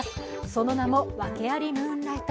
その名も、訳ありムーンライト